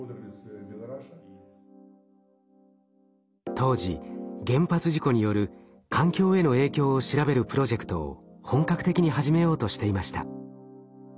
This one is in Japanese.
当時原発事故による環境への影響を調べるプロジェクトを本格的に始めようとしていました。